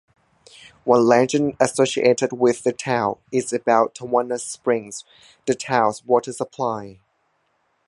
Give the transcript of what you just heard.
One legend associated with the town is about Tawannah Springs, the town's water supply.